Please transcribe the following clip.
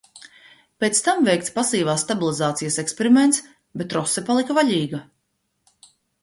Pēc tam veikts pasīvās stabilizācijas eksperiments, bet trose palika vaļīga.